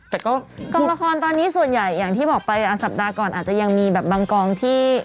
แต่ก็กองละครตอนนี้ส่วนใหญ่อย่างที่บอกไปสัปดาห์ก่อนอาจจะยังมีแบบบางกองที่